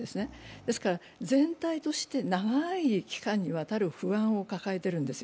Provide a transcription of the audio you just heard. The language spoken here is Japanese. ですから全体として長い期間にわたる不安を抱えているんですよ。